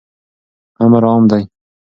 امر عام دی.